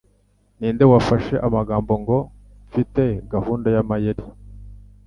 Ninde wafashe amagambo ngo "Mfite gahunda y'amayeri"?